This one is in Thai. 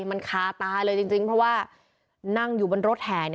มันคาตาเลยจริงเพราะว่านั่งอยู่บนรถแห่